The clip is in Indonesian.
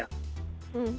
terakhir pak heri